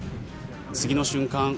次の瞬間